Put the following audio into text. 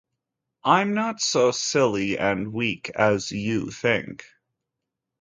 I'm not so silly and weak as you think.